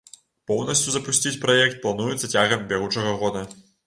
Поўнасцю запусціць праект плануецца цягам бягучага года.